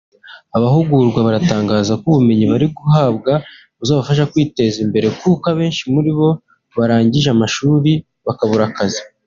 Abahugurwa baratangaza ko ubumenyi bari guhabwa buzabafasha kwiteza imbere kuko abenshi muri bo barangije amashuri bakabura akazi